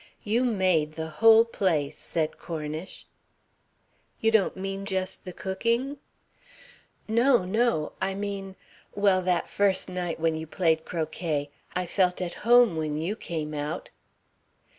"You made the whole place," said Cornish. "You don't mean just the cooking?" "No, no. I mean well, that first night when you played croquet. I felt at home when you came out."